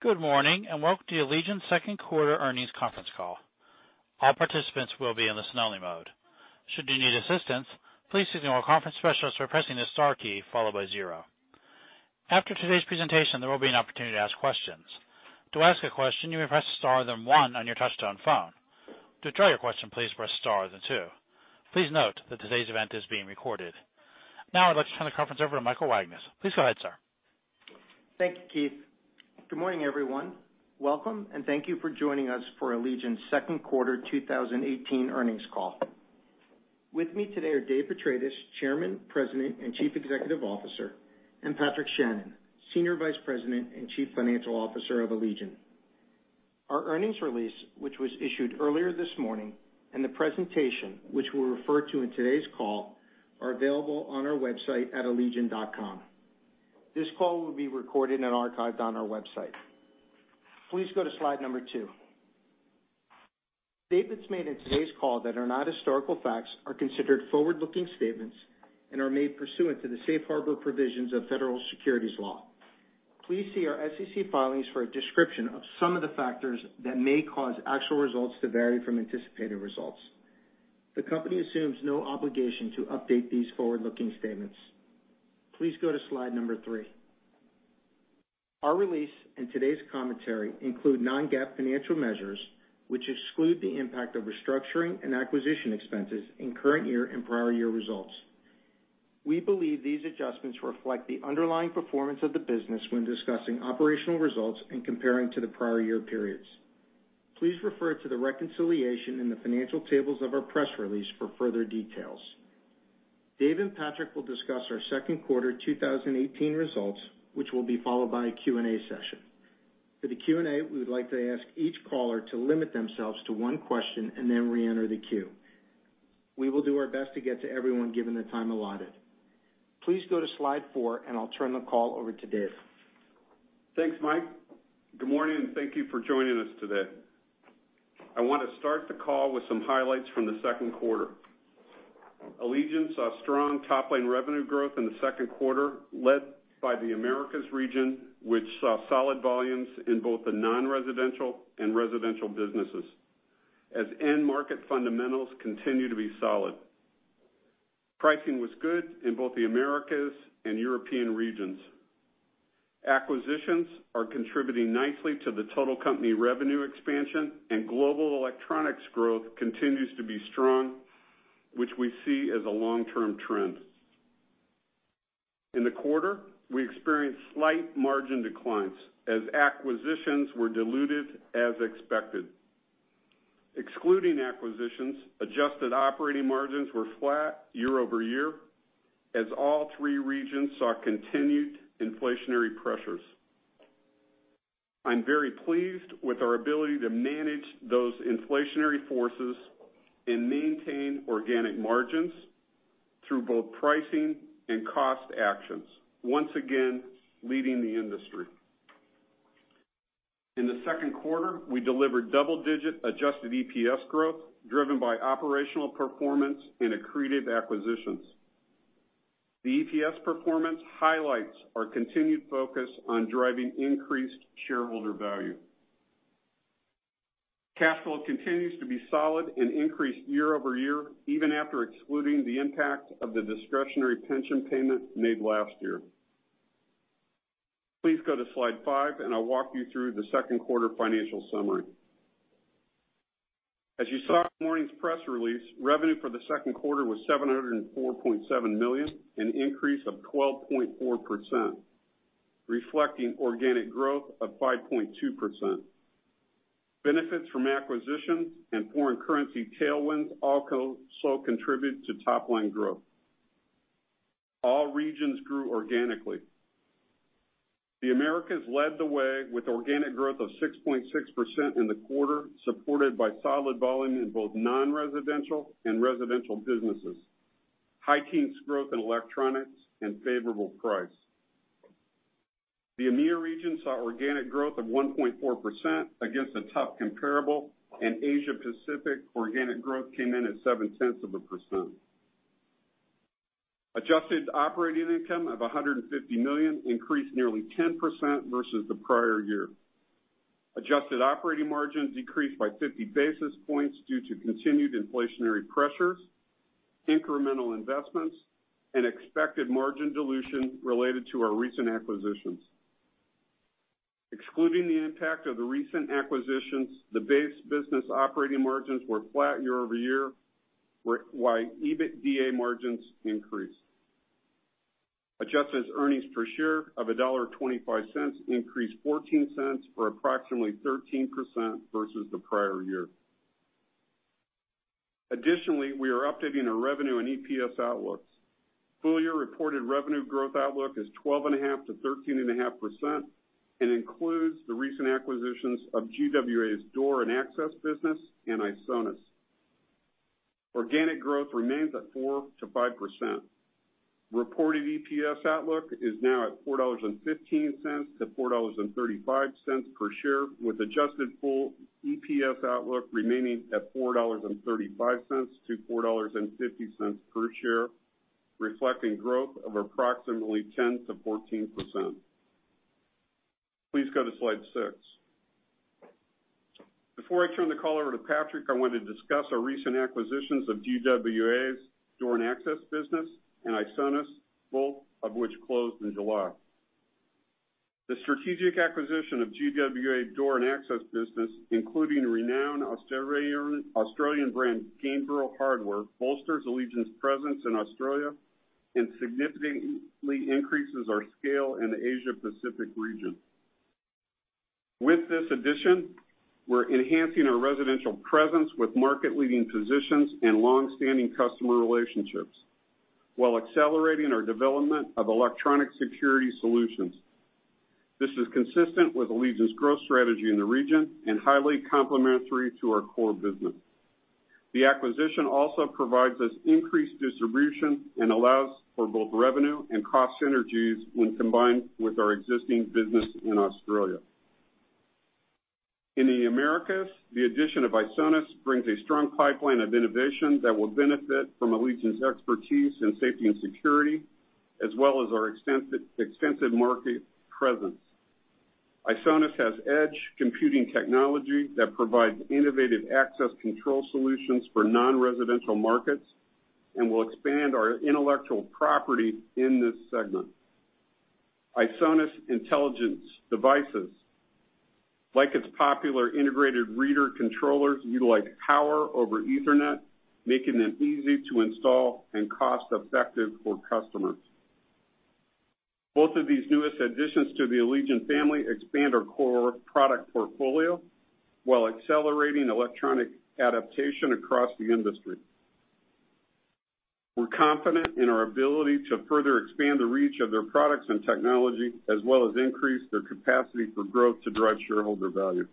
Good morning, welcome to Allegion's second quarter earnings conference call. All participants will be in listen-only mode. Should you need assistance, please signal a conference specialist by pressing the star key followed by zero. After today's presentation, there will be an opportunity to ask questions. To ask a question, you may press star then one on your touch-tone phone. To withdraw your question, please press star then two. Please note that today's event is being recorded. Now I'd like to turn the conference over to Michael Wagnes. Please go ahead, sir. Thank you, Keith. Good morning, everyone. Welcome, thank you for joining us for Allegion's second quarter 2018 earnings call. With me today are Dave Petratis, Chairman, President, and Chief Executive Officer, and Patrick Shannon, Senior Vice President and Chief Financial Officer of Allegion. Our earnings release, which was issued earlier this morning, and the presentation, which we'll refer to in today's call, are available on our website at allegion.com. This call will be recorded and archived on our website. Please go to slide number two. Statements made in today's call that are not historical facts are considered forward-looking statements and are made pursuant to the safe harbor provisions of federal securities law. Please see our SEC filings for a description of some of the factors that may cause actual results to vary from anticipated results. The company assumes no obligation to update these forward-looking statements. Please go to slide number three. Our release and today's commentary include non-GAAP financial measures, which exclude the impact of restructuring and acquisition expenses in current year and prior year results. We believe these adjustments reflect the underlying performance of the business when discussing operational results and comparing to the prior year periods. Please refer to the reconciliation in the financial tables of our press release for further details. Dave and Patrick will discuss our second quarter 2018 results, which will be followed by a Q&A session. For the Q&A, we would like to ask each caller to limit themselves to one question and then reenter the queue. We will do our best to get to everyone given the time allotted. Please go to slide four, I'll turn the call over to Dave. Thanks, Mike. Good morning, thank you for joining us today. I want to start the call with some highlights from the second quarter. Allegion saw strong top-line revenue growth in the second quarter, led by the Americas region, which saw solid volumes in both the non-residential and residential businesses, as end market fundamentals continue to be solid. Pricing was good in both the Americas and European regions. Acquisitions are contributing nicely to the total company revenue expansion, and global electronics growth continues to be strong, which we see as a long-term trend. In the quarter, we experienced slight margin declines as acquisitions were diluted as expected. Excluding acquisitions, adjusted operating margins were flat year-over-year as all three regions saw continued inflationary pressures. I'm very pleased with our ability to manage those inflationary forces and maintain organic margins through both pricing and cost actions, once again leading the industry. In the second quarter, we delivered double-digit adjusted EPS growth driven by operational performance and accretive acquisitions. The EPS performance highlights our continued focus on driving increased shareholder value. Cash flow continues to be solid and increased year-over-year, even after excluding the impact of the discretionary pension payments made last year. Please go to slide five, and I'll walk you through the second quarter financial summary. As you saw in this morning's press release, revenue for the second quarter was $704.7 million, an increase of 12.4%, reflecting organic growth of 5.2%. Benefits from acquisitions and foreign currency tailwinds also contributed to top-line growth. All regions grew organically. The Americas led the way with organic growth of 6.6% in the quarter, supported by solid volume in both non-residential and residential businesses, high teens growth in electronics, and favorable price. The EMEIA region saw organic growth of 1.4% against a tough comparable, Asia Pacific organic growth came in at 0.7%. Adjusted operating income of $150 million increased nearly 10% versus the prior year. Adjusted operating margin decreased by 50 basis points due to continued inflationary pressures, incremental investments, and expected margin dilution related to our recent acquisitions. Excluding the impact of the recent acquisitions, the base business operating margins were flat year-over-year, while EBITDA margins increased. Adjusted earnings per share of $1.25 increased $0.14, or approximately 13% versus the prior year. Additionally, we are updating our revenue and EPS outlooks. Full-year reported revenue growth outlook is 12.5%-13.5% and includes the recent acquisitions of GWA's Door and Access Business and ISONAS. Organic growth remains at 4%-5%. Reported EPS outlook is now at $4.15-$4.35 per share with adjusted full EPS outlook remaining at $4.35-$4.50 per share. Reflecting growth of approximately 10%-14%. Please go to slide six. Before I turn the call over to Patrick, I want to discuss our recent acquisitions of GWA's Door and Access Business and ISONAS, both of which closed in July. The strategic acquisition of GWA Door and Access Business, including renowned Australian brand, Gainsborough Hardware, bolsters Allegion's presence in Australia and significantly increases our scale in the Asia Pacific region. With this addition, we're enhancing our residential presence with market-leading positions and long-standing customer relationships while accelerating our development of electronic security solutions. This is consistent with Allegion's growth strategy in the region and highly complementary to our core business. The acquisition also provides us increased distribution and allows for both revenue and cost synergies when combined with our existing business in Australia. In the Americas, the addition of ISONAS brings a strong pipeline of innovation that will benefit from Allegion's expertise in safety and security, as well as our extensive market presence. ISONAS has edge computing technology that provides innovative access control solutions for non-residential markets and will expand our intellectual property in this segment. ISONAS intelligence devices, like its popular integrated reader controllers, utilize Power over Ethernet, making them easy to install and cost-effective for customers. Both of these newest additions to the Allegion family expand our core product portfolio while accelerating electronic adaptation across the industry. We're confident in our ability to further expand the reach of their products and technology, as well as increase their capacity for growth to drive shareholder value.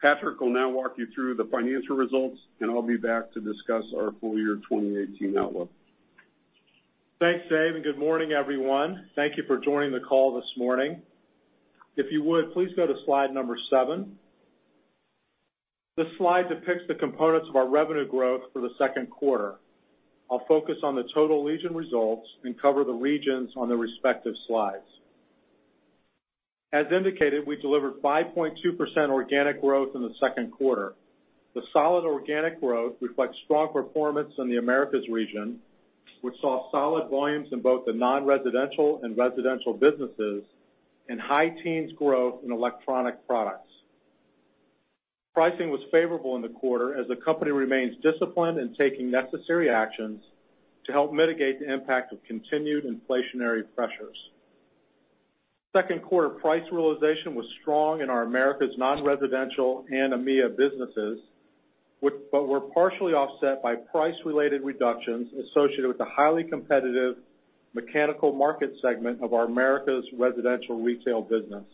Patrick will now walk you through the financial results, and I'll be back to discuss our full year 2018 outlook. Thanks, Dave, and good morning, everyone. Thank you for joining the call this morning. If you would, please go to slide number seven. This slide depicts the components of our revenue growth for the second quarter. I'll focus on the total Allegion results and cover the regions on the respective slides. As indicated, we delivered 5.2% organic growth in the second quarter. The solid organic growth reflects strong performance in the Americas region, which saw solid volumes in both the non-residential and residential businesses and high teens growth in electronic products. Pricing was favorable in the quarter as the company remains disciplined in taking necessary actions to help mitigate the impact of continued inflationary pressures. Second quarter price realization was strong in our Americas non-residential and EMEIA businesses, but were partially offset by price-related reductions associated with the highly competitive mechanical market segment of our Americas residential retail business.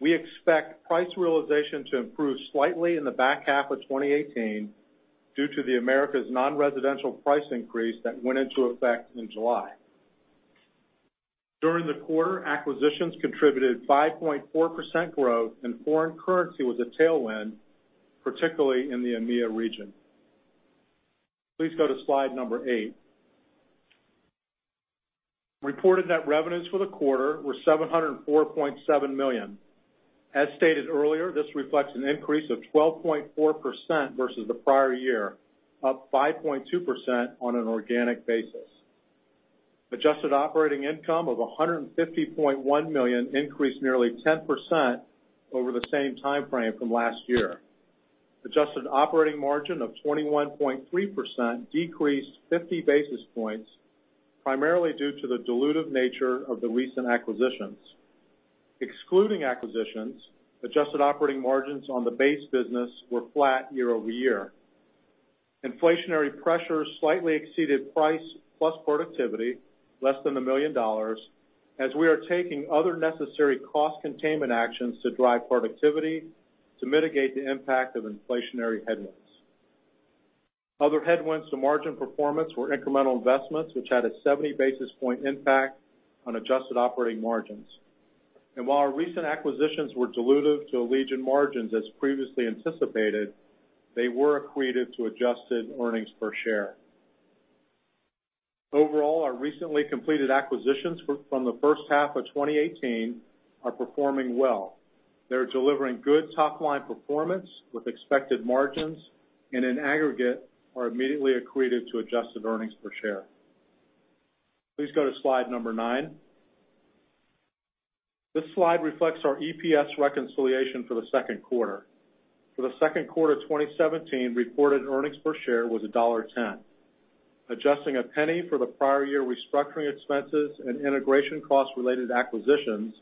We expect price realization to improve slightly in the back half of 2018 due to the Americas non-residential price increase that went into effect in July. During the quarter, acquisitions contributed 5.4% growth, and foreign currency was a tailwind, particularly in the EMEIA region. Please go to slide number eight. Reported net revenues for the quarter were $704.7 million. As stated earlier, this reflects an increase of 12.4% versus the prior year, up 5.2% on an organic basis. Adjusted operating income of $150.1 million increased nearly 10% over the same timeframe from last year. Adjusted operating margin of 21.3% decreased 50 basis points, primarily due to the dilutive nature of the recent acquisitions. Excluding acquisitions, adjusted operating margins on the base business were flat year-over-year. Inflationary pressures slightly exceeded price plus productivity, less than $1 million, as we are taking other necessary cost containment actions to drive productivity to mitigate the impact of inflationary headwinds. Other headwinds to margin performance were incremental investments, which had a 70 basis point impact on adjusted operating margins. While our recent acquisitions were dilutive to Allegion margins as previously anticipated, they were accretive to adjusted earnings per share. Overall, our recently completed acquisitions from the first half of 2018 are performing well. They are delivering good top-line performance with expected margins and, in aggregate, are immediately accretive to adjusted earnings per share. Please go to slide number nine. This slide reflects our EPS reconciliation for the second quarter. For the second quarter 2017, reported earnings per share was $1.10. Adjusting $0.01 for the prior year restructuring expenses and integration costs related to acquisitions,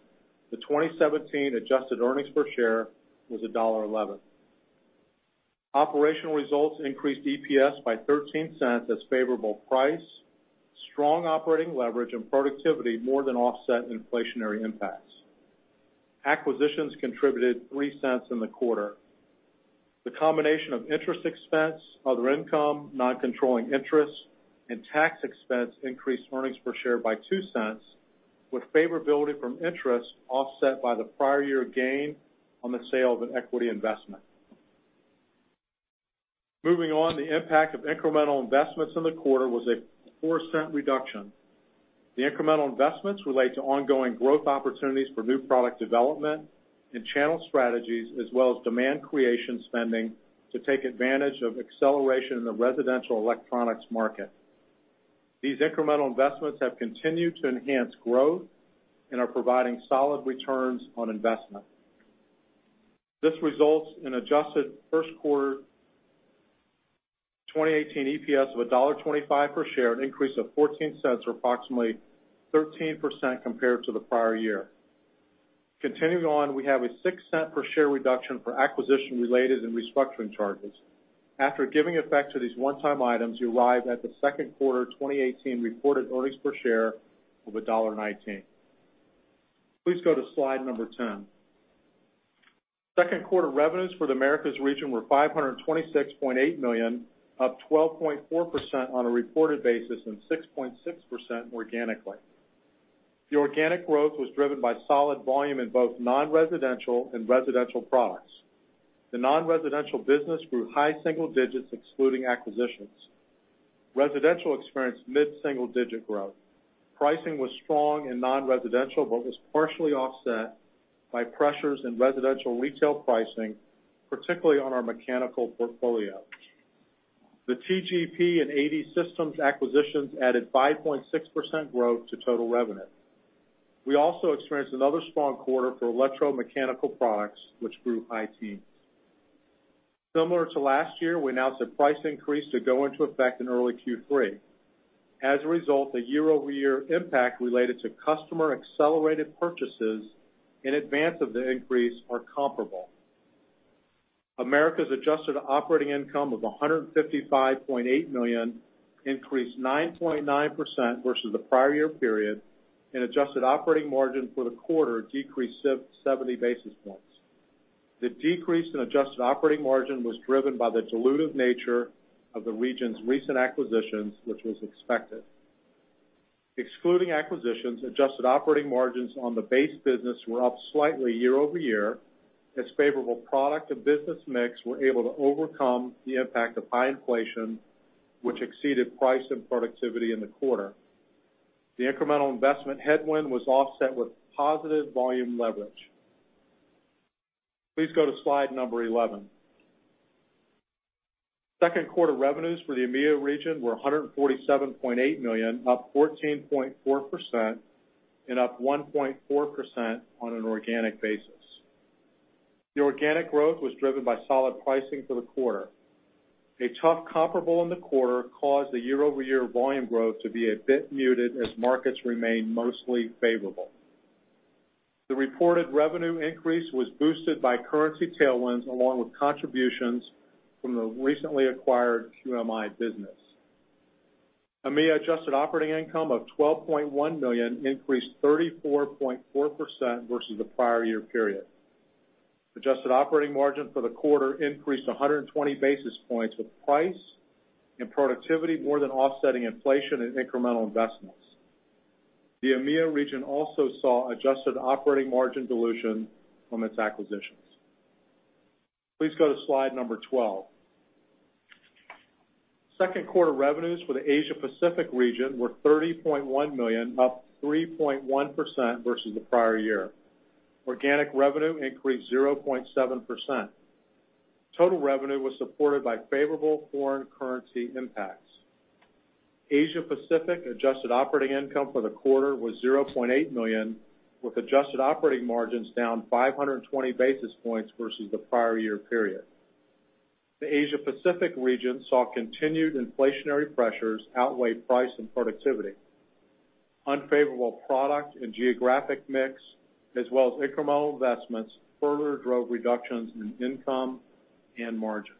the 2017 adjusted earnings per share was $1.11. Operational results increased EPS by $0.13 as favorable price, strong operating leverage, and productivity more than offset inflationary impacts. Acquisitions contributed $0.03 in the quarter. The combination of interest expense, other income, non-controlling interest, and tax expense increased earnings per share by $0.02, with favorability from interest offset by the prior year gain on the sale of an equity investment. Moving on, the impact of incremental investments in the quarter was a $0.04 reduction. The incremental investments relate to ongoing growth opportunities for new product development and channel strategies, as well as demand creation spending to take advantage of acceleration in the residential electronics market. These incremental investments have continued to enhance growth and are providing solid returns on investment. This results in adjusted first quarter 2018 EPS of $1.25 per share, an increase of $0.14 or approximately 13% compared to the prior year. Continuing on, we have a $0.06 per share reduction for acquisition-related and restructuring charges. After giving effect to these one-time items, you arrive at the second quarter 2018 reported earnings per share of $1.19. Please go to slide number 10. Second quarter revenues for the Americas region were $526.8 million, up 12.4% on a reported basis and 6.6% organically. The organic growth was driven by solid volume in both non-residential and residential products. The non-residential business grew high single digits excluding acquisitions. Residential experienced mid-single digit growth. Pricing was strong in non-residential but was partially offset by pressures in residential retail pricing, particularly on our mechanical portfolio. The TGP and AD Systems acquisitions added 5.6% growth to total revenue. We also experienced another strong quarter for electromechanical products, which grew high teens. Similar to last year, we announced a price increase to go into effect in early Q3. As a result, the year-over-year impact related to customer-accelerated purchases in advance of the increase are comparable. Americas adjusted operating income of $155.8 million increased 9.9% versus the prior year period, and adjusted operating margin for the quarter decreased 70 basis points. The decrease in adjusted operating margin was driven by the dilutive nature of the region's recent acquisitions, which was expected. Excluding acquisitions, adjusted operating margins on the base business were up slightly year-over-year, as favorable product and business mix were able to overcome the impact of high inflation, which exceeded price and productivity in the quarter. The incremental investment headwind was offset with positive volume leverage. Please go to slide number 11. Second quarter revenues for the EMEIA region were $147.8 million, up 14.4% and up 1.4% on an organic basis. The organic growth was driven by solid pricing for the quarter. A tough comparable in the quarter caused the year-over-year volume growth to be a bit muted as markets remained mostly favorable. The reported revenue increase was boosted by currency tailwinds, along with contributions from the recently acquired QMI business. EMEIA adjusted operating income of $12.1 million increased 34.4% versus the prior year period. Adjusted operating margin for the quarter increased 120 basis points, with price and productivity more than offsetting inflation and incremental investments. The EMEIA region also saw adjusted operating margin dilution from its acquisitions. Please go to slide number 12. Second quarter revenues for the Asia Pacific region were $30.1 million, up 3.1% versus the prior year. Organic revenue increased 0.7%. Total revenue was supported by favorable foreign currency impacts. Asia Pacific adjusted operating income for the quarter was $0.8 million, with adjusted operating margins down 520 basis points versus the prior year period. The Asia Pacific region saw continued inflationary pressures outweigh price and productivity. Unfavorable product and geographic mix, as well as incremental investments, further drove reductions in income and margin.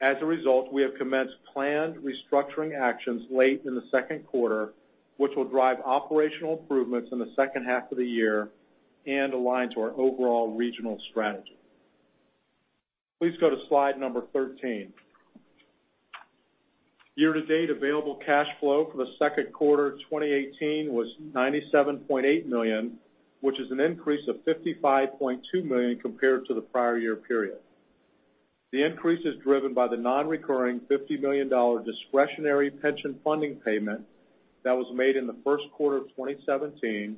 As a result, we have commenced planned restructuring actions late in the second quarter, which will drive operational improvements in the second half of the year and align to our overall regional strategy. Please go to slide 13. Year-to-date available cash flow for the second quarter 2018 was $97.8 million, which is an increase of $55.2 million compared to the prior year period. The increase is driven by the non-recurring $50 million discretionary pension funding payment that was made in the first quarter of 2017,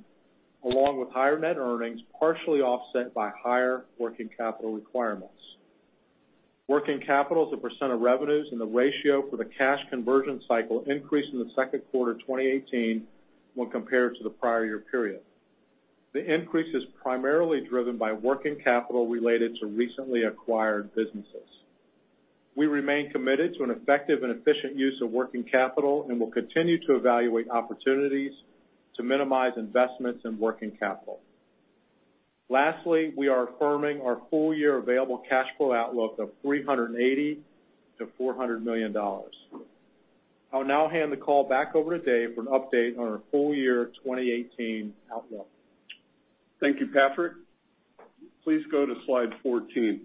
along with higher net earnings, partially offset by higher working capital requirements. Working capital as a % of revenues and the ratio for the cash conversion cycle increased in the second quarter 2018 when compared to the prior year period. The increase is primarily driven by working capital related to recently acquired businesses. We remain committed to an effective and efficient use of working capital and will continue to evaluate opportunities to minimize investments in working capital. Lastly, we are affirming our full-year available cash flow outlook of $380 million-$400 million. I will now hand the call back over to Dave for an update on our full year 2018 outlook. Thank you, Patrick. Please go to slide 14.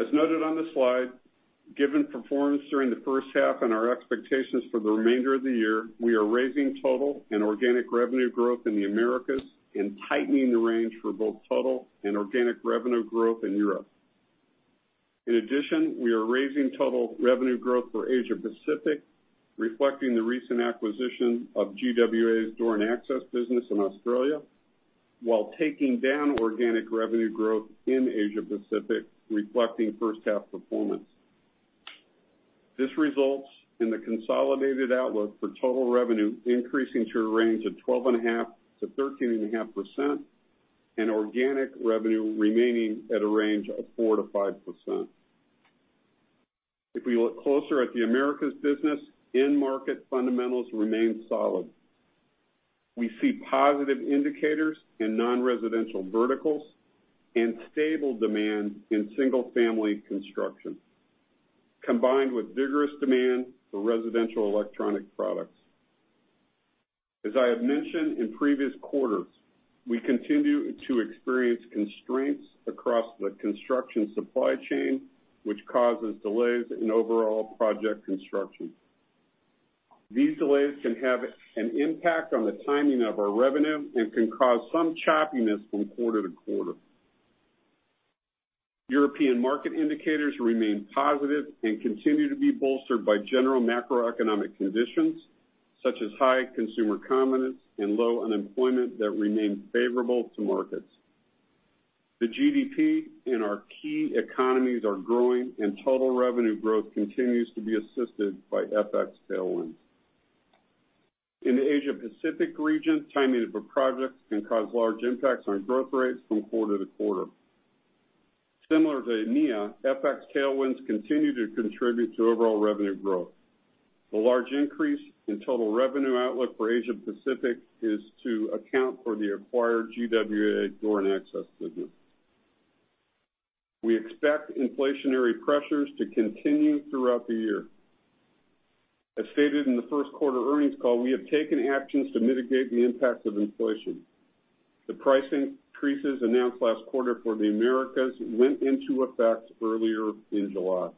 As noted on the slide, given performance during the first half and our expectations for the remainder of the year, we are raising total and organic revenue growth in the Americas and tightening the range for both total and organic revenue growth in Europe. In addition, we are raising total revenue growth for Asia Pacific, reflecting the recent acquisition of GWA's Door and Access Systems Business in Australia, while taking down organic revenue growth in Asia Pacific, reflecting first half performance. This results in the consolidated outlook for total revenue increasing to a range of 12.5%-13.5%, and organic revenue remaining at a range of 4%-5%. If we look closer at the Americas business, end market fundamentals remain solid. We see positive indicators in non-residential verticals and stable demand in single-family construction, combined with vigorous demand for residential electronic products. As we have mentioned in previous quarters, we continue to experience constraints across the construction supply chain, which causes delays in overall project construction. These delays can have an impact on the timing of our revenue and can cause some choppiness from quarter to quarter. European market indicators remain positive and continue to be bolstered by general macroeconomic conditions, such as high consumer confidence and low unemployment that remain favorable to markets. The GDP in our key economies are growing, and total revenue growth continues to be assisted by FX tailwinds. In the Asia Pacific region, timing of a project can cause large impacts on growth rates from quarter to quarter. Similar to EMEIA, FX tailwinds continue to contribute to overall revenue growth. The large increase in total revenue outlook for Asia Pacific is to account for the acquired GWA Door and Access Systems Business. We expect inflationary pressures to continue throughout the year. As stated in the first quarter earnings call, we have taken actions to mitigate the impact of inflation. The price increases announced last quarter for the Americas went into effect earlier in July.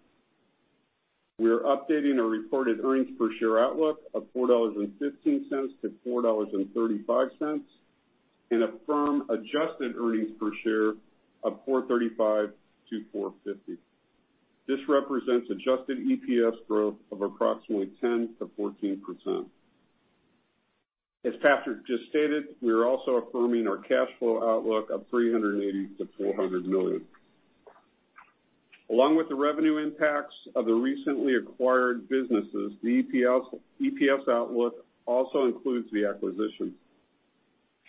We are updating our reported earnings per share outlook of $4.15-$4.35, and affirm adjusted earnings per share of $4.35-$4.50. This represents adjusted EPS growth of approximately 10%-14%. As Patrick just stated, we are also affirming our cash flow outlook of $380 million-$400 million. Along with the revenue impacts of the recently acquired businesses, the EPS outlook also includes the acquisition.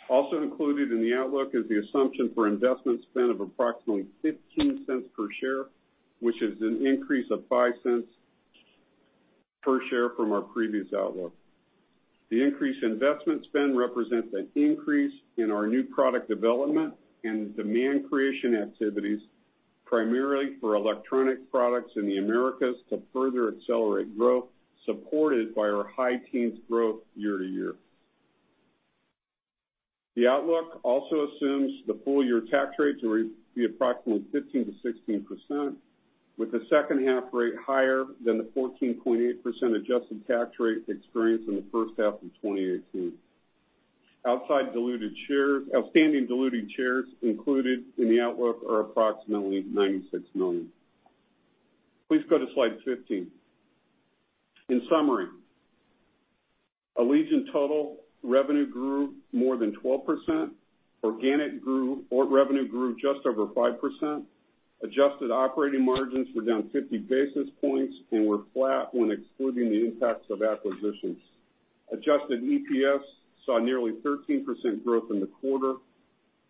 Also included in the outlook is the assumption for investment spend of approximately $0.15 per share, which is an increase of $0.05 per share from our previous outlook. The increased investment spend represents an increase in our new product development and demand creation activities, primarily for electronic products in the Americas to further accelerate growth, supported by our high teens growth year-over-year. The outlook also assumes the full-year tax rates will be approximately 15%-16%, with the second half rate higher than the 14.8% adjusted tax rate experienced in the first half of 2018. Outstanding diluted shares included in the outlook are approximately 96 million. Please go to slide 15. In summary, Allegion total revenue grew more than 12%. Organic revenue grew just over 5%. Adjusted operating margins were down 50 basis points and were flat when excluding the impacts of acquisitions. Adjusted EPS saw nearly 13% growth in the quarter.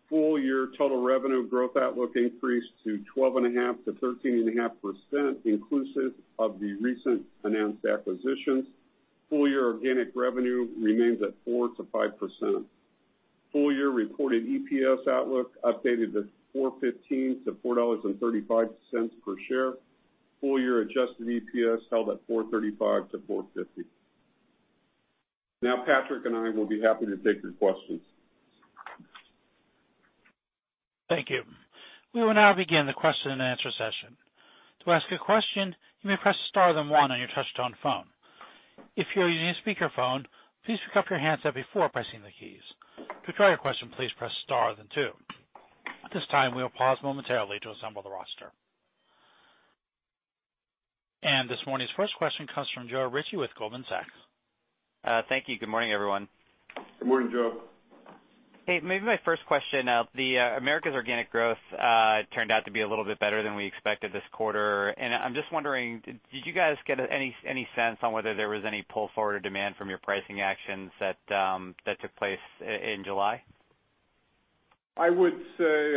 Full-year total revenue growth outlook increased to 12.5%-13.5% inclusive of the recent announced acquisitions. Full-year organic revenue remains at 4%-5%. Full-year reported EPS outlook updated to $4.15-$4.35 per share. Full-year adjusted EPS held at $4.35-$4.50. Now Patrick and I will be happy to take your questions. Thank you. We will now begin the question and answer session. To ask a question, you may press star then one on your touch-tone phone. If you are using a speakerphone, please pick up your handset before pressing the keys. To withdraw your question, please press star then two. At this time, we will pause momentarily to assemble the roster. This morning's first question comes from Joe Ritchie with Goldman Sachs. Thank you. Good morning, everyone. Good morning, Joe. Hey, maybe my first question. The Americas organic growth turned out to be a little bit better than we expected this quarter. I'm just wondering, did you guys get any sense on whether there was any pull-forward or demand from your pricing actions that took place in July? I would say,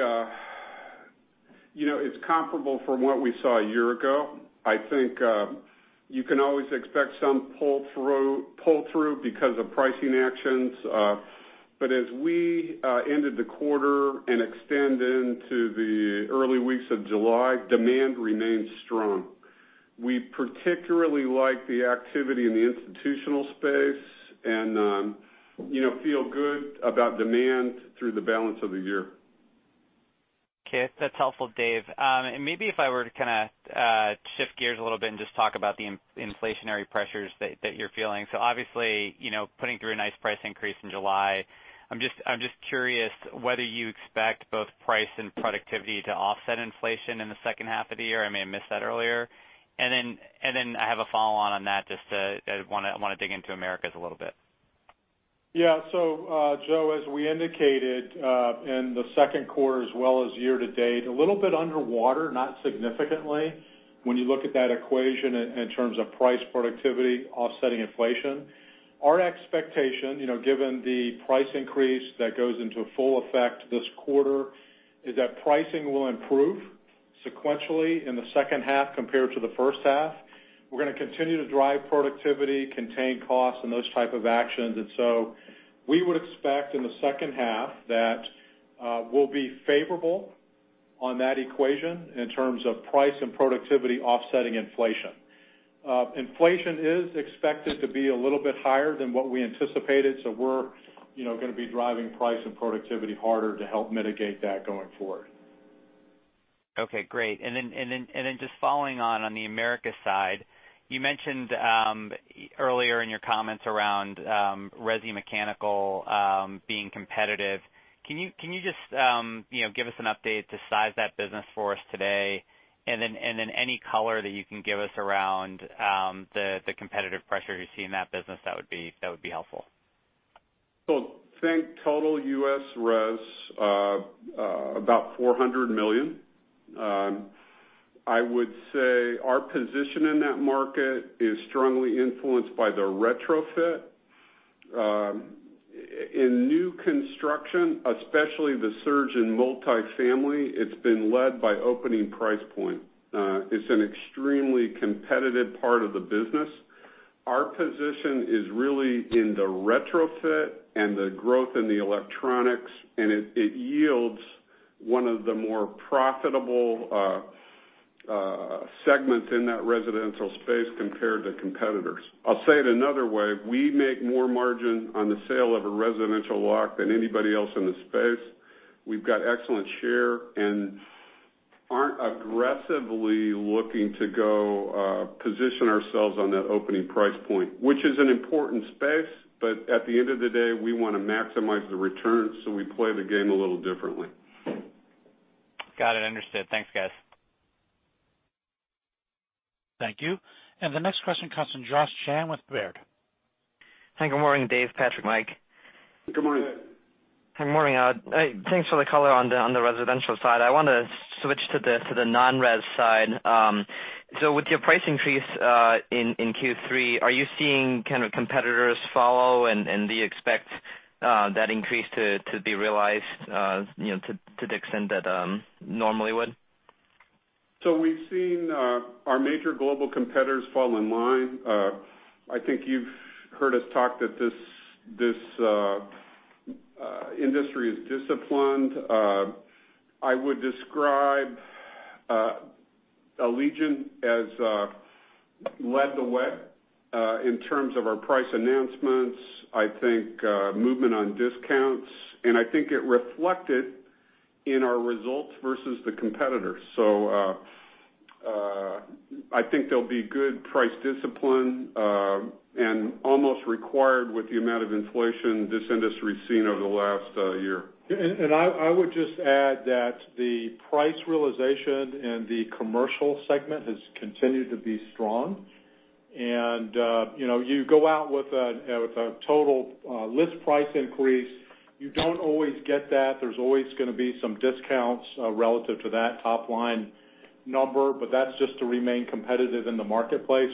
it's comparable from what we saw a year ago. I think you can always expect some pull through because of pricing actions. As we ended the quarter and extend into the early weeks of July, demand remains strong. We particularly like the activity in the institutional space, and feel good about demand through the balance of the year. That's helpful, Dave. Maybe if I were to kind of shift gears a little bit and just talk about the inflationary pressures that you're feeling. Obviously, putting through a nice price increase in July. I'm just curious whether you expect both price and productivity to offset inflation in the second half of the year. I may have missed that earlier. I have a follow-on, on that, I want to dig into Americas a little bit. Yeah. Joe, as we indicated, in the second quarter as well as year to date, a little bit underwater, not significantly, when you look at that equation in terms of price productivity offsetting inflation. Our expectation, given the price increase that goes into full effect this quarter, is that pricing will improve sequentially in the second half compared to the first half. We're going to continue to drive productivity, contain costs, and those type of actions. We would expect in the second half that we'll be favorable on that equation in terms of price and productivity offsetting inflation. Inflation is expected to be a little bit higher than what we anticipated, we're going to be driving price and productivity harder to help mitigate that going forward. Okay, great. Just following on the Americas side, you mentioned, earlier in your comments around resi mechanical being competitive. Can you just give us an update to size that business for us today? Any color that you can give us around the competitive pressure you see in that business, that would be helpful. Think total U.S. res, about $400 million. I would say our position in that market is strongly influenced by the retrofit. In new construction, especially the surge in multifamily, it's been led by opening price point. It's an extremely competitive part of the business. Our position is really in the retrofit and the growth in the electronics, it yields one of the more profitable segments in that residential space compared to competitors. I'll say it another way. We make more margin on the sale of a residential lock than anybody else in the space. We've got excellent share and aren't aggressively looking to go position ourselves on that opening price point, which is an important space, at the end of the day, we want to maximize the return, we play the game a little differently. Got it. Understood. Thanks, guys. Thank you. The next question comes from Josh Chan with Baird. Thank you. Good morning, Dave, Patrick, Mike. Good morning. Good morning. Thanks for the color on the residential side. I want to switch to the non-res side. With your price increase, in Q3, are you seeing kind of competitors follow? Do you expect that increase to be realized to the extent that normally would? We've seen our major global competitors fall in line. I think you've heard us talk that this industry is disciplined. I would describe Allegion as led the way, in terms of our price announcements, I think movement on discounts, and I think it reflected in our results versus the competitors. I think there'll be good price discipline, and almost required with the amount of inflation this industry's seen over the last year. I would just add that the price realization in the commercial segment has continued to be strong. You go out with a total list price increase. You don't always get that. There's always going to be some discounts relative to that top-line number, but that's just to remain competitive in the marketplace.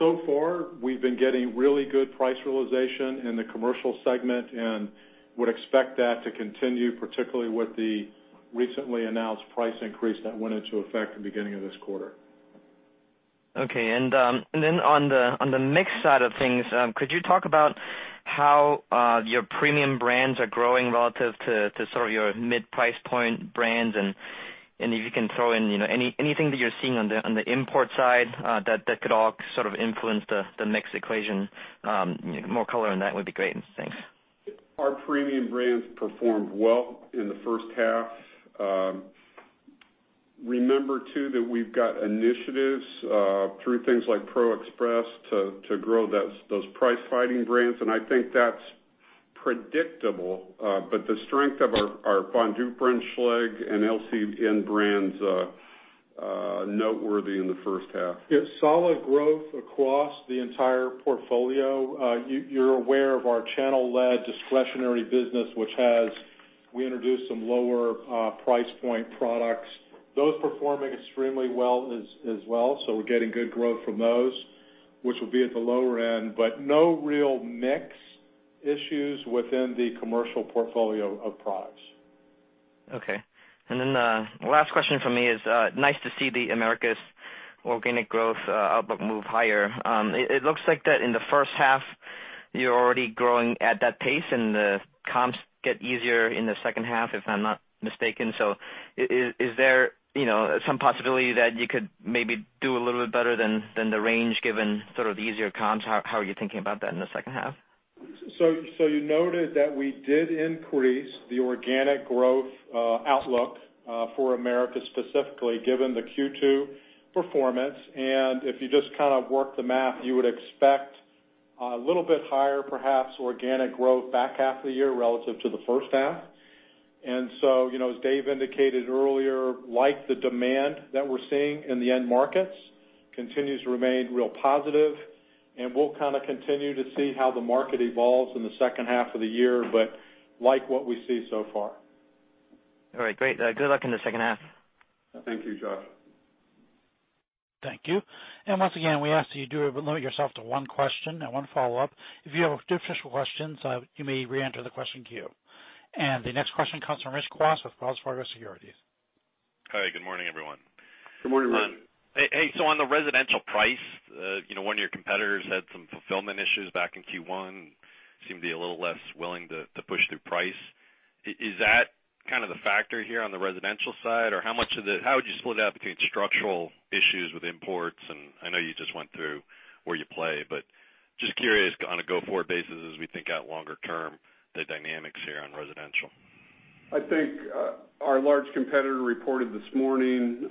So far, we've been getting really good price realization in the commercial segment and would expect that to continue, particularly with the recently announced price increase that went into effect the beginning of this quarter. Okay. On the mix side of things, could you talk about how your premium brands are growing relative to sort of your mid-price point brands? If you can throw in anything that you're seeing on the import side, that could all sort of influence the mix equation. More color on that would be great. Thanks. Our premium brands performed well in the first half. Remember, too, that we've got initiatives through things like Pro Express to grow those price-fighting brands. I think that's predictable. The strength of our Gainsborough, Schlage, and LCN brands are noteworthy in the first half. Yeah. Solid growth across the entire portfolio. You're aware of our channel-led discretionary business. We introduced some lower price point products. Those performing extremely well as well. We're getting good growth from those, which will be at the lower end. No real mix issues within the commercial portfolio of products. Okay. The last question from me is, nice to see the Americas organic growth move higher. It looks like that in the first half You're already growing at that pace. The comps get easier in the second half, if I'm not mistaken. Is there some possibility that you could maybe do a little bit better than the range given the easier comps? How are you thinking about that in the second half? You noted that we did increase the organic growth outlook for America specifically given the Q2 performance, if you just work the math, you would expect a little bit higher, perhaps, organic growth back half of the year relative to the first half. As Dave indicated earlier, like the demand that we're seeing in the end markets, continues to remain real positive, and we'll continue to see how the market evolves in the second half of the year, but like what we see so far. All right, great. Good luck in the second half. Thank you, Josh. Thank you. Once again, we ask that you do limit yourself to one question and one follow-up. If you have additional questions, you may re-enter the question queue. The next question comes from Rich Gross with Wells Fargo Securities. Hi, good morning, everyone. Good morning, Rich. Hey, on the residential price, one of your competitors had some fulfillment issues back in Q1, seemed to be a little less willing to push through price. Is that kind of the factor here on the residential side? Or how would you split it up between structural issues with imports and, I know you just went through where you play, but just curious on a go-forward basis as we think out longer term, the dynamics here on residential. I think our large competitor reported this morning,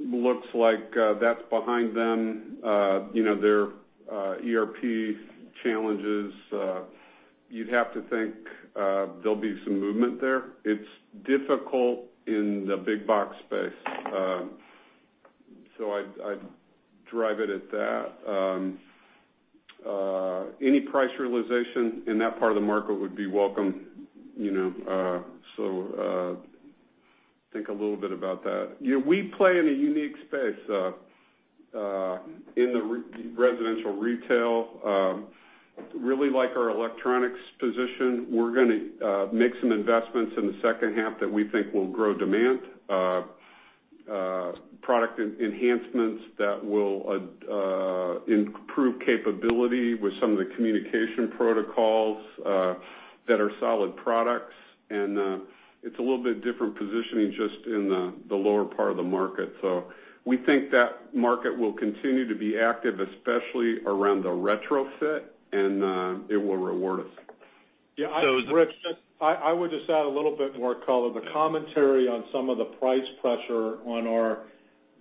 looks like that's behind them, their ERP challenges. You'd have to think there'll be some movement there. It's difficult in the big box space. I'd drive it at that. Any price realization in that part of the market would be welcome. Think a little bit about that. We play in a unique space in the residential retail. Really like our electronics position. We're going to make some investments in the second half that we think will grow demand. Product enhancements that will improve capability with some of the communication protocols that are solid products, and it's a little bit different positioning just in the lower part of the market. We think that market will continue to be active, especially around the retrofit, and it will reward us. So is- Yeah, Rich, I would just add a little bit more color. The commentary on some of the price pressure on our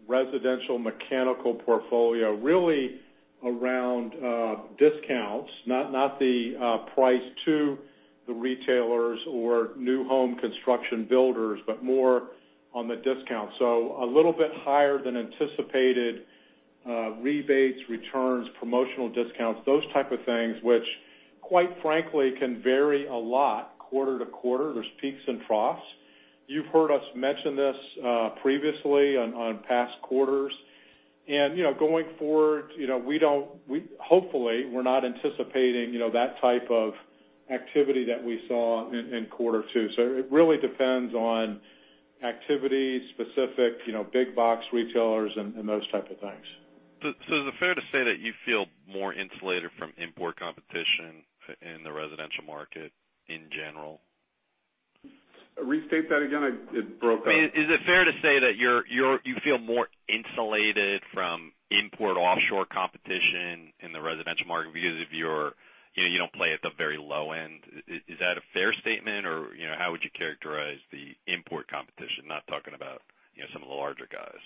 residential mechanical portfolio, really around discounts, not the price to the retailers or new home construction builders, but more on the discount. A little bit higher than anticipated rebates, returns, promotional discounts, those type of things, which quite frankly, can vary a lot quarter to quarter. There's peaks and troughs. You've heard us mention this previously on past quarters. Going forward, hopefully, we're not anticipating that type of activity that we saw in quarter two. It really depends on activity, specific big box retailers, and those type of things. Is it fair to say that you feel more insulated from import competition in the residential market in general? Restate that again, it broke up. Is it fair to say that you feel more insulated from import offshore competition in the residential market because you don't play at the very low end? Is that a fair statement, or how would you characterize the import competition, not talking about some of the larger guys?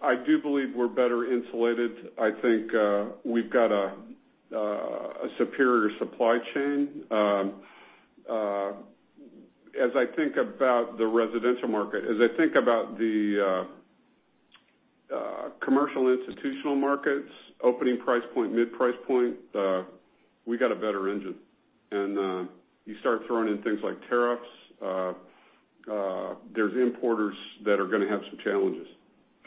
I do believe we're better insulated. I think we've got a superior supply chain. As I think about the residential market, as I think about the commercial institutional markets, opening price point, mid price point, we got a better engine. You start throwing in things like tariffs, there's importers that are going to have some challenges.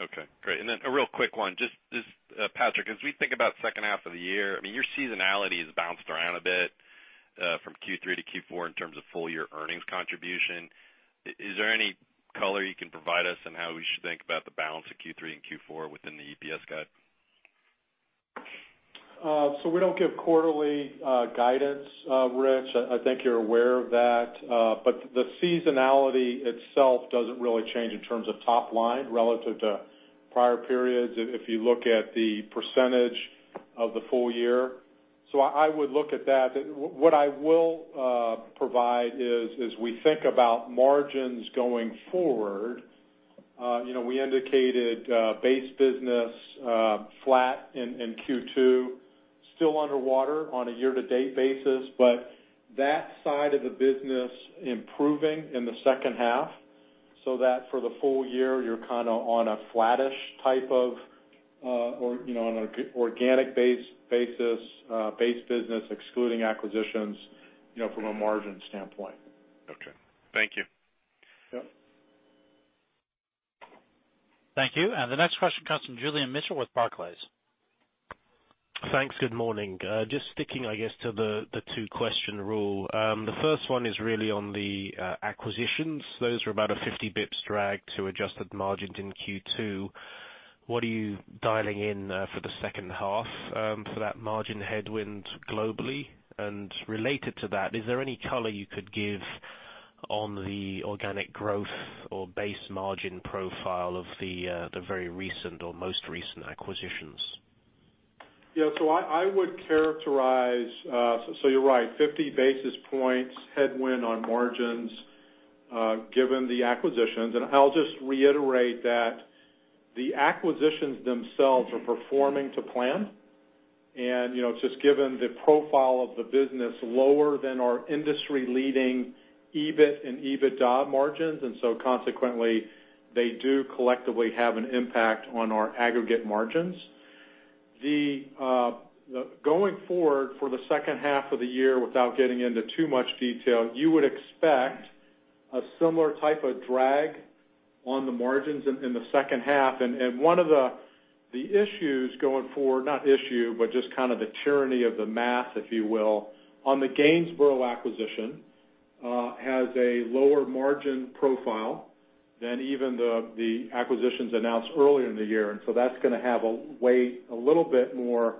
Okay, great. A real quick one. Just, Patrick, as we think about second half of the year, your seasonality has bounced around a bit from Q3 to Q4 in terms of full year earnings contribution. Is there any color you can provide us on how we should think about the balance of Q3 and Q4 within the EPS guide? We don't give quarterly guidance, Rich. I think you're aware of that. The seasonality itself doesn't really change in terms of top line relative to prior periods if you look at the percentage of the full year. I would look at that. What I will provide is, as we think about margins going forward, we indicated base business flat in Q2, still underwater on a year-to-date basis, but that side of the business improving in the second half, so that for the full year, you're kind of on a flattish type of, on an organic base basis, base business, excluding acquisitions, from a margin standpoint. Okay. Thank you. Yep. Thank you. The next question comes from Julian Mitchell with Barclays. Thanks. Good morning. Just sticking to the two-question rule. The first one is really on the acquisitions. Those were about a 50 basis points drag to adjusted margins in Q2. What are you dialing in for the second half for that margin headwind globally? Related to that, is any color you could give on the organic growth or base margin profile of the very recent or most recent acquisitions? You're right, 50 basis points headwind on margins given the acquisitions. I'll just reiterate that the acquisitions themselves are performing to plan, given the profile of the business, lower than our industry-leading EBIT and EBITDA margins, consequently, they do collectively have an impact on our aggregate margins. Going forward, for the second half of the year, without getting into too much detail, you would expect a similar type of drag on the margins in the second half. One of the issues going forward, not issue, but just kind of the tyranny of the math, if you will, on the Gainsborough acquisition, has a lower margin profile than even the acquisitions announced earlier in the year. That's going to have to weigh a little bit more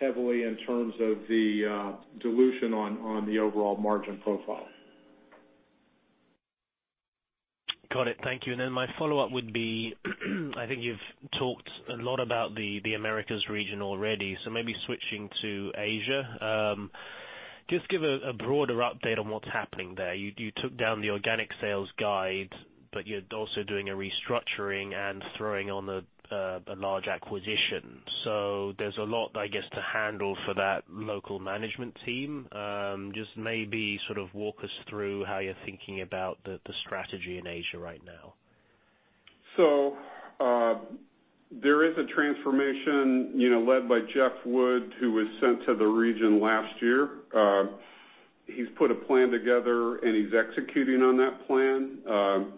heavily in terms of the dilution on the overall margin profile. Got it. Thank you. My follow-up would be, I think you've talked a lot about the Americas region already, maybe switching to Asia. Just give a broader update on what's happening there. You took down the organic sales guide, you're also doing a restructuring and throwing on a large acquisition. There's a lot, I guess, to handle for that local management team. Just maybe sort of walk us through how you're thinking about the strategy in Asia right now. There is a transformation led by Jeff Wood, who was sent to the region last year. He's put a plan together, he's executing on that plan.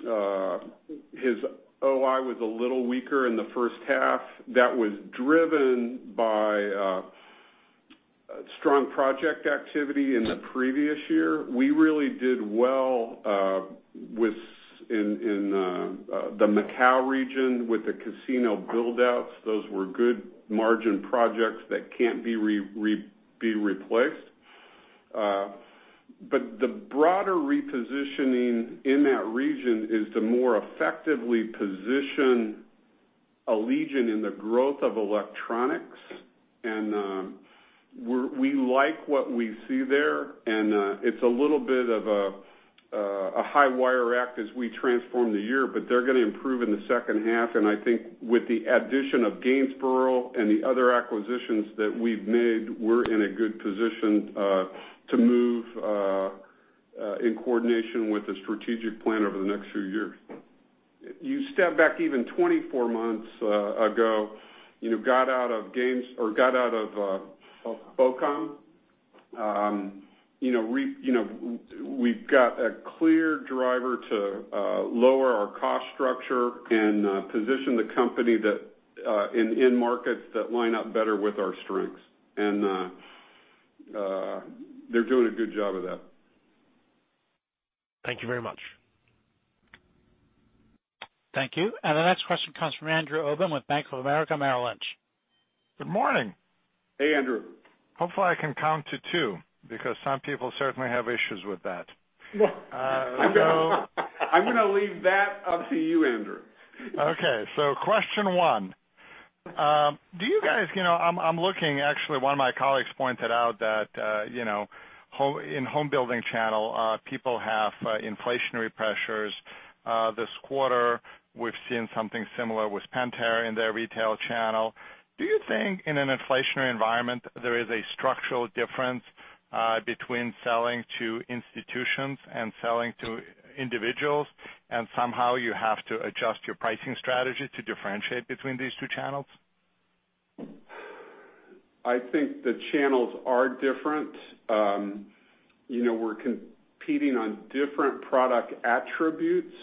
His OI was a little weaker in the first half. That was driven by strong project activity in the previous year. We really did well in the Macau region with the casino build-outs. Those were good margin projects that can't be replaced. The broader repositioning in that region is to more effectively position Allegion in the growth of electronics. We like what we see there, it's a little bit of a high-wire act as we transform the year, they're going to improve in the second half. I think with the addition of Gainsborough and the other acquisitions that we've made, we're in a good position to move in coordination with a strategic plan over the next few years. You step back even 24 months ago, got out of BoCom. We've got a clear driver to lower our cost structure and position the company in end markets that line up better with our strengths. They're doing a good job of that. Thank you very much. Thank you. The next question comes from Andrew Obin with Bank of America Merrill Lynch. Good morning. Hey, Andrew. Hopefully, I can count to two because some people certainly have issues with that. I'm gonna leave that up to you, Andrew. Okay. Question one. I'm looking, actually, one of my colleagues pointed out that in home building channel, people have inflationary pressures. This quarter, we've seen something similar with Pentair in their retail channel. Do you think in an inflationary environment, there is a structural difference between selling to institutions and selling to individuals, and somehow you have to adjust your pricing strategy to differentiate between these two channels? I think the channels are different. We're competing on different product attributes,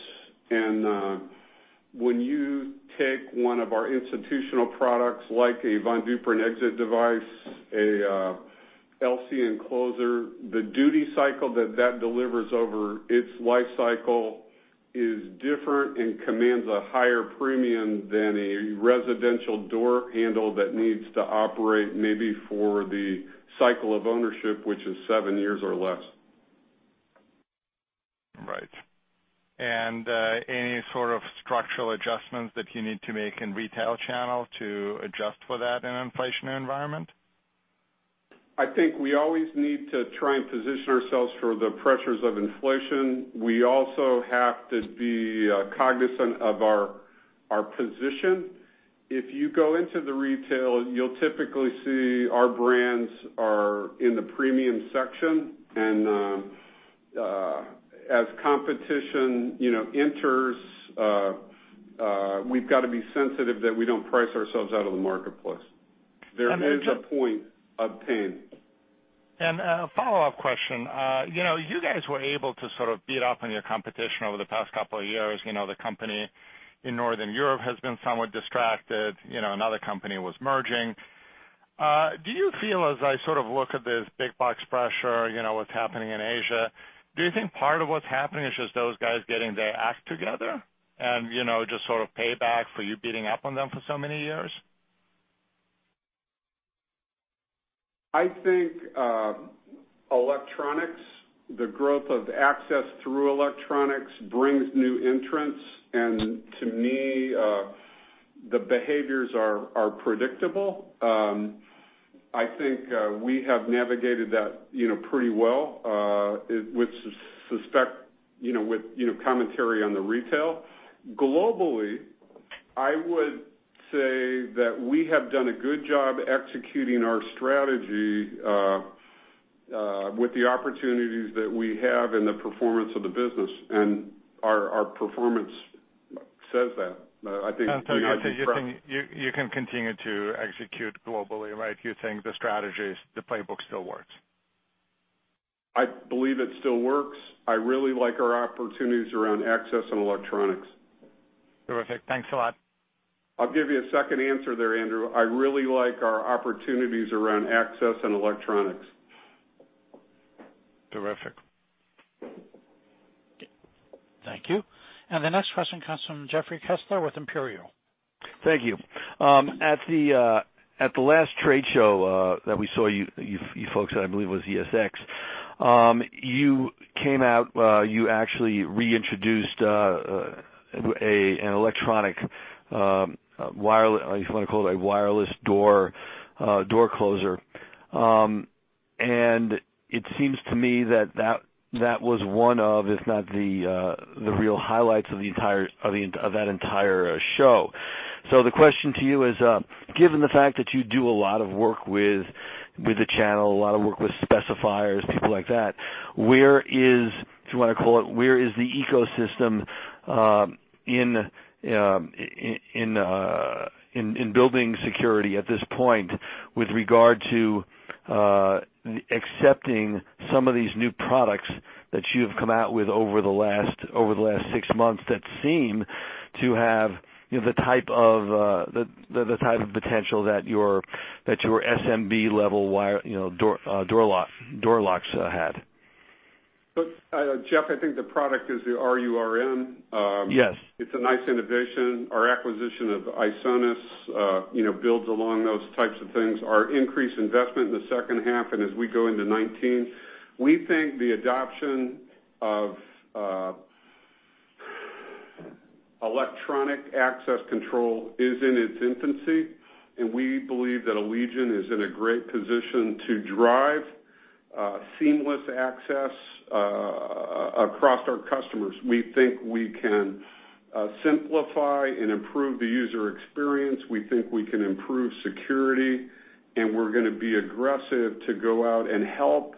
and when you take one of our institutional products, like a Von Duprin exit device, an LCN closer, the duty cycle that that delivers over its life cycle is different and commands a higher premium than a residential door handle that needs to operate maybe for the cycle of ownership, which is seven years or less. Right. Any sort of structural adjustments that you need to make in retail channel to adjust for that in an inflationary environment? I think we always need to try and position ourselves for the pressures of inflation. We also have to be cognizant of our position. If you go into the retail, you'll typically see our brands are in the premium section, and as competition enters, we've got to be sensitive that we don't price ourselves out of the marketplace. There is a point of pain. A follow-up question. You guys were able to sort of beat up on your competition over the past couple of years. The company in Northern Europe has been somewhat distracted. Another company was merging. Do you feel, as I look at this big box pressure, what's happening in Asia, do you think part of what's happening is just those guys getting their act together and just sort of payback for you beating up on them for so many years? I think electronics, the growth of access through electronics brings new entrants, and to me, the behaviors are predictable. I think we have navigated that pretty well, with commentary on the retail. Globally, I would say that we have done a good job executing our strategy with the opportunities that we have and the performance of the business, and our performance says that. You think you can continue to execute globally, right? You think the strategies, the playbook still works. I believe it still works. I really like our opportunities around access and electronics. Terrific. Thanks a lot. I'll give you a second answer there, Andrew. I really like our opportunities around access and electronics. Terrific. Thank you. The next question comes from Jeffrey Kessler with Imperial. Thank you. At the last trade show that we saw you folks at, I believe it was ESX, you came out, you actually reintroduced an electronic, if you want to call it a wireless door closer. It seems to me that that was one of, if not the real highlights of that entire show. The question to you is, given the fact that you do a lot of work with the channel, a lot of work with specifiers, people like that, where is, if you want to call it, where is the ecosystem in building security at this point with regard to accepting some of these new products that you have come out with over the last six months that seem to have the type of potential that your SMB level door locks had? Look, Jeff, I think the product is the RU/RM. Yes. It's a nice innovation. Our acquisition of ISONAS builds along those types of things. Our increased investment in the second half and as we go into 2019, we think the adoption of electronic access control is in its infancy. We believe that Allegion is in a great position to drive seamless access across our customers. We think we can simplify and improve the user experience. We think we can improve security. We're going to be aggressive to go out and help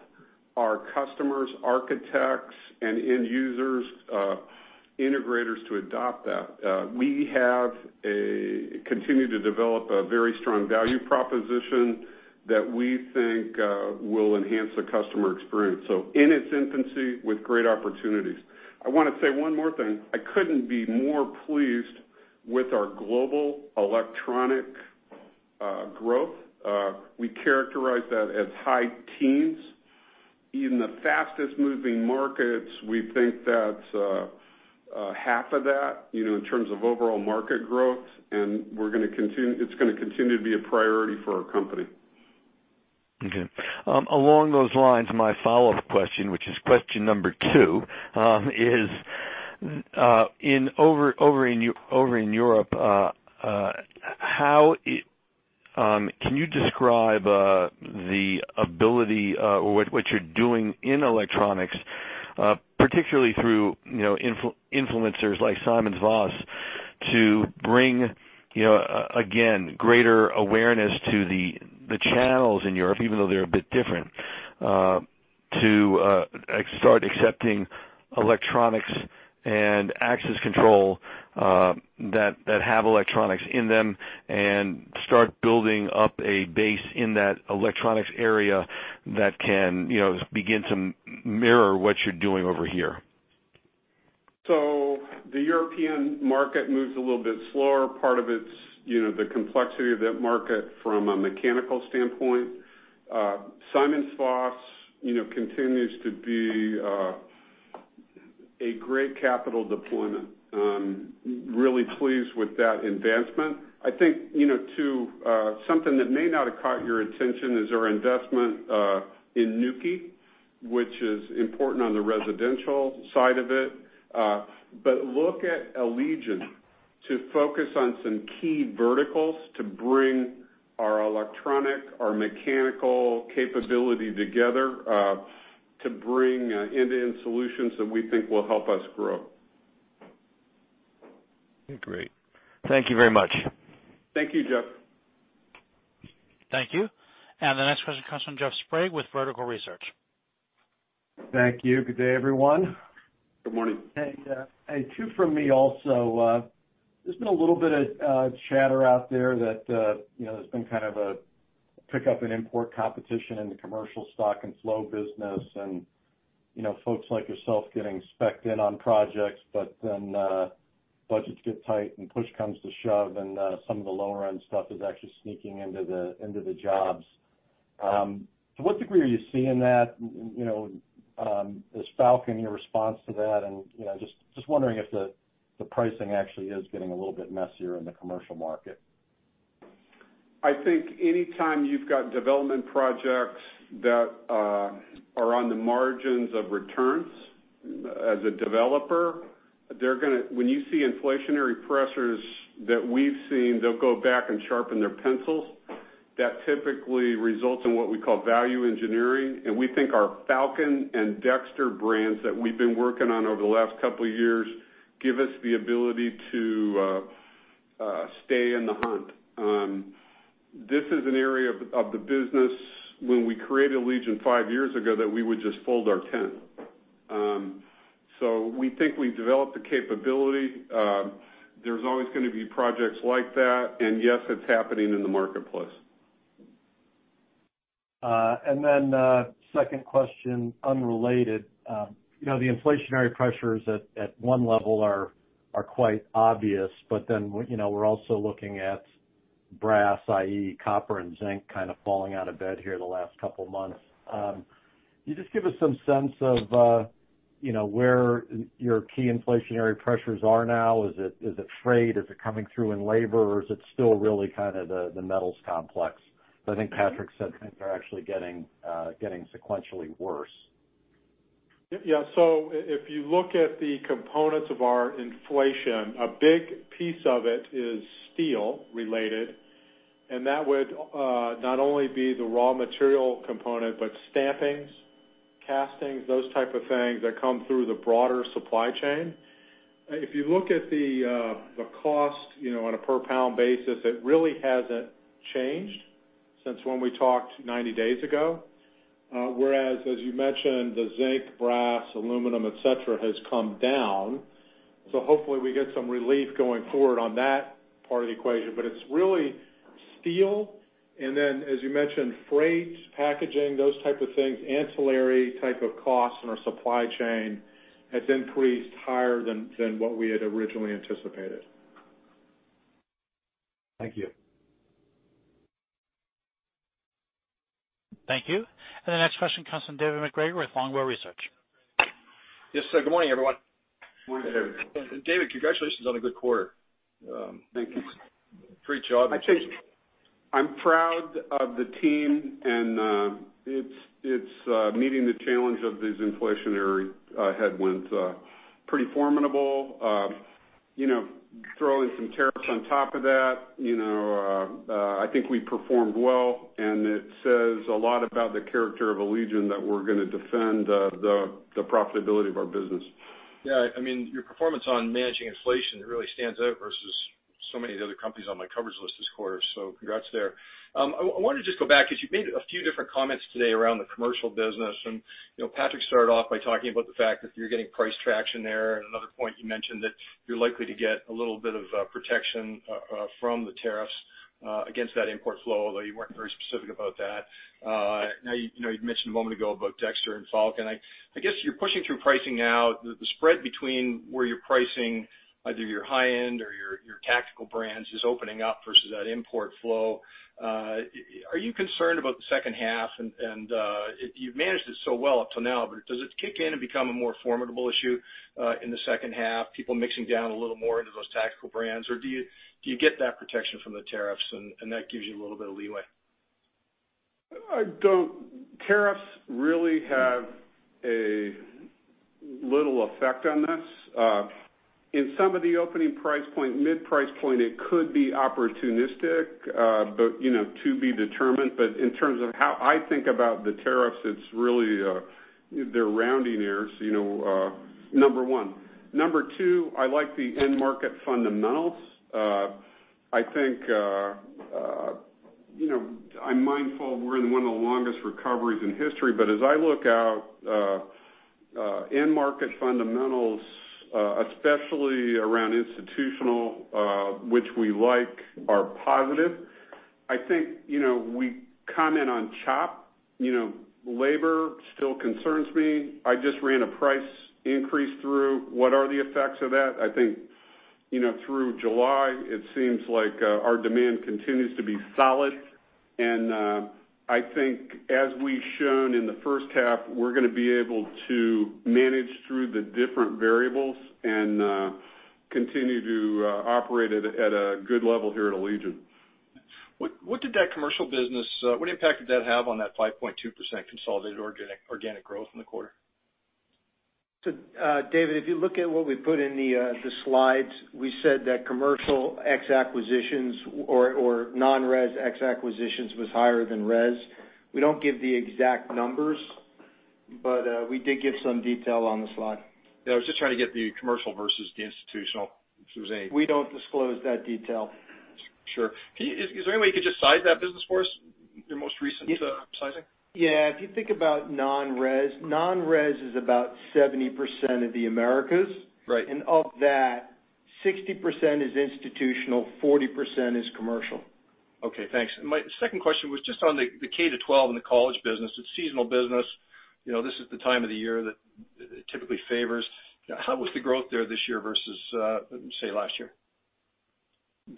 our customers, architects, and end users, integrators to adopt that. We have continued to develop a very strong value proposition that we think will enhance the customer experience. In its infancy with great opportunities. I want to say one more thing. I couldn't be more pleased with our global electronic growth. We characterize that as high teens. Even the fastest moving markets, we think that's half of that, in terms of overall market growth. It's going to continue to be a priority for our company. Okay. Along those lines, my follow-up question, which is question number two, is over in Europe, can you describe the ability or what you're doing in electronics, particularly through influencers like SimonsVoss, to bring, again, greater awareness to the channels in Europe, even though they're a bit different, to start accepting electronics and access control that have electronics in them and start building up a base in that electronics area that can begin to mirror what you're doing over here? The European market moves a little bit slower. Part of it's the complexity of that market from a mechanical standpoint. SimonsVoss continues to be a great capital deployment. Really pleased with that advancement. I think, too, something that may not have caught your attention is our investment in Nuki, which is important on the residential side of it. Look at Allegion to focus on some key verticals to bring our electronic, our mechanical capability together, to bring end-to-end solutions that we think will help us grow. Great. Thank you very much. Thank you, Jeff. Thank you. The next question comes from Jeff Sprague with Vertical Research. Thank you. Good day, everyone. Good morning. Hey. Two from me also. There's been a little bit of chatter out there that there's been kind of a pickup in import competition in the commercial stock and flow business, and Folks like yourself getting specced in on projects, but then budgets get tight and push comes to shove, and some of the lower-end stuff is actually sneaking into the jobs. To what degree are you seeing that? Is Falcon your response to that? Just wondering if the pricing actually is getting a little bit messier in the commercial market. I think anytime you've got development projects that are on the margins of returns as a developer, when you see inflationary pressures that we've seen, they'll go back and sharpen their pencils. That typically results in what we call value engineering, and we think our Falcon and Dexter brands that we've been working on over the last 2 years give us the ability to stay in the hunt. This is an area of the business, when we created Allegion 5 years ago, that we would just fold our tent. We think we've developed the capability. There's always going to be projects like that, and yes, it's happening in the marketplace. Second question, unrelated. The inflationary pressures at one level are quite obvious, we're also looking at brass, i.e., copper and zinc, kind of falling out of bed here the last 2 months. Can you just give us some sense of where your key inflationary pressures are now? Is it freight? Is it coming through in labor, or is it still really the metals complex? I think Patrick said things are actually getting sequentially worse. If you look at the components of our inflation, a big piece of it is steel related, and that would not only be the raw material component, but stampings, castings, those type of things that come through the broader supply chain. If you look at the cost on a per pound basis, it really hasn't changed since when we talked 90 days ago. Whereas, as you mentioned, the zinc, brass, aluminum, et cetera, has come down. Hopefully we get some relief going forward on that part of the equation. It's really steel, and then, as you mentioned, freight, packaging, those type of things, ancillary type of costs in our supply chain has increased higher than what we had originally anticipated. Thank you. Thank you. The next question comes from David MacGregor with Longbow Research. Yes, sir. Good morning, everyone. Morning, David. David, congratulations on a good quarter. Thank you. Great job. I'm proud of the team, and it's meeting the challenge of these inflationary headwinds. Pretty formidable. Throw in some tariffs on top of that, I think we performed well, and it says a lot about the character of Allegion that we're going to defend the profitability of our business. Yeah. Your performance on managing inflation really stands out versus so many of the other companies on my coverage list this quarter. Congrats there. I wanted to just go back, because you've made a few different comments today around the commercial business, and Patrick started off by talking about the fact that you're getting price traction there. Another point you mentioned that you're likely to get a little bit of protection from the tariffs against that import flow, although you weren't very specific about that. You mentioned a moment ago about Dexter and Falcon. I guess you're pushing through pricing out. The spread between where you're pricing, either your high-end or your tactical brands is opening up versus that import flow. Are you concerned about the second half? You've managed it so well up till now, does it kick in and become a more formidable issue in the second half, people mixing down a little more into those tactical brands, or do you get that protection from the tariffs, and that gives you a little bit of leeway? Tariffs really have a little effect on this. In some of the opening price point, mid price point, it could be opportunistic, but to be determined. In terms of how I think about the tariffs, it's really, they're rounding errors, number one. Number two, I like the end market fundamentals. I think I'm mindful we're in one of the longest recoveries in history, but as I look out, end market fundamentals, especially around institutional, which we like, are positive. I think we comment on CHOP. Labor still concerns me. I just ran a price increase through. What are the effects of that? I think through July, it seems like our demand continues to be solid. I think as we've shown in the first half, we're going to be able to manage through the different variables and continue to operate at a good level here at Allegion. What impact did that have on that 5.2% consolidated organic growth in the quarter? David, if you look at what we put in the slides, we said that commercial ex acquisitions or non-res ex acquisitions was higher than res. We don't give the exact numbers, but we did give some detail on the slide. Yeah, I was just trying to get the commercial versus the institutional. We don't disclose that detail. Sure. Is there any way you could just size that business for us, your most recent sizing? Yeah. If you think about non-res, non-res is about 70% of the Americas. Right. Of that, 60% is institutional, 40% is commercial. Okay, thanks. My second question was just on the K-12 and the college business. It's seasonal business. This is the time of the year that it typically favors. How was the growth there this year versus, say, last year?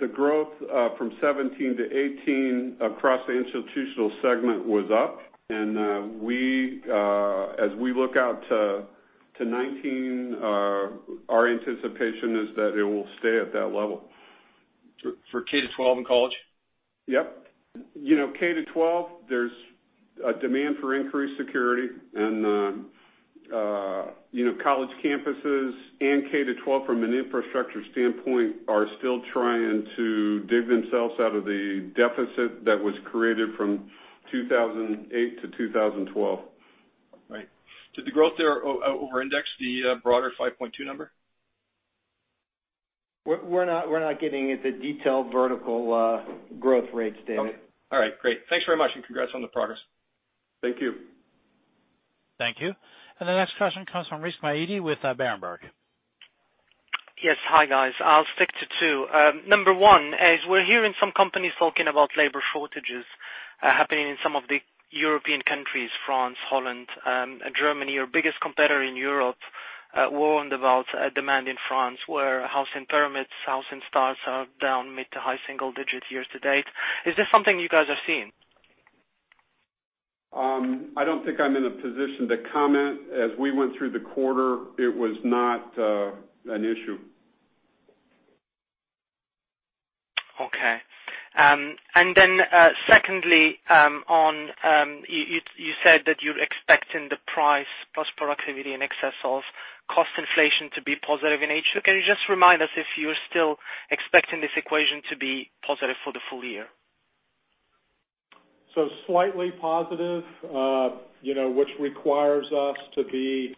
The growth from 2017 to 2018 across the institutional segment was up. As we look out to 2019, our anticipation is that it will stay at that level. For K-12 and college? Yep. K to 12, there's a demand for increased security. College campuses and K to 12, from an infrastructure standpoint, are still trying to dig themselves out of the deficit that was created from 2008 to 2012. Right. Did the growth there over-index the broader 5.2 number? We're not giving the detailed vertical growth rates, David. Okay. All right, great. Thanks very much, and congrats on the progress. Thank you. Thank you. The next question comes from Rizk Maidi with Berenberg. Yes, hi, guys. I'll stick to two. Number one is we're hearing some companies talking about labor shortages happening in some of the European countries, France, Holland, Germany. Your biggest competitor in Europe warned about demand in France, where house permits, house starts are down mid to high single digits year-to-date. Is this something you guys are seeing? I don't think I'm in a position to comment. As we went through the quarter, it was not an issue. Okay. Secondly, you said that you're expecting the price plus productivity in excess of cost inflation to be positive in H2. Can you just remind us if you're still expecting this equation to be positive for the full year? Slightly positive, which requires us to be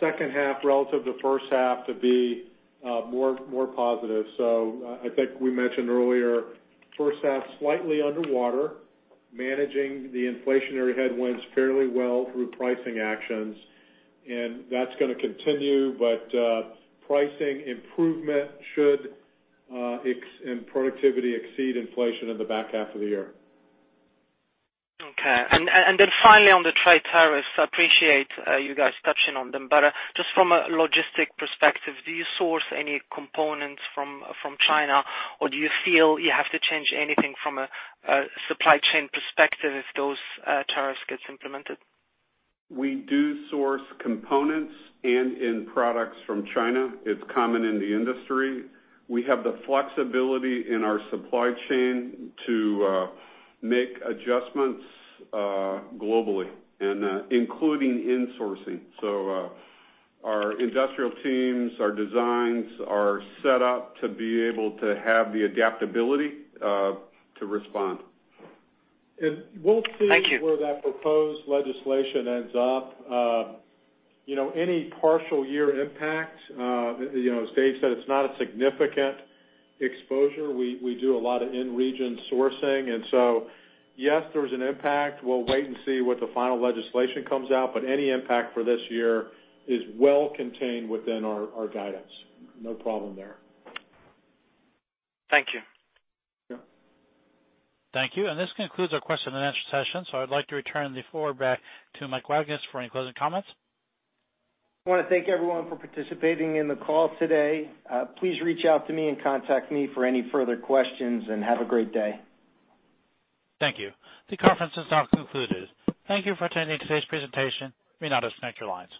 second half relative to first half to be more positive. I think we mentioned earlier, first half slightly underwater, managing the inflationary headwinds fairly well through pricing actions, and that's going to continue. Pricing improvement should, and productivity, exceed inflation in the back half of the year. Okay. Finally on the trade tariffs, I appreciate you guys touching on them. Just from a logistic perspective, do you source any components from China, or do you feel you have to change anything from a supply chain perspective if those tariffs gets implemented? We do source components and in products from China. It's common in the industry. We have the flexibility in our supply chain to make adjustments globally, and including insourcing. Our industrial teams, our designs are set up to be able to have the adaptability to respond. Thank you. We'll see where that proposed legislation ends up. Any partial year impact, as Dave said, it's not a significant exposure. We do a lot of in-region sourcing. Yes, there's an impact. We'll wait and see what the final legislation comes out. Any impact for this year is well contained within our guidance. No problem there. Thank you. Yep. Thank you. This concludes our question and answer session. I'd like to return the floor back to Mike Wagnes for any closing comments. I want to thank everyone for participating in the call today. Please reach out to me and contact me for any further questions, and have a great day. Thank you. The conference is now concluded. Thank you for attending today's presentation. You may now disconnect your lines.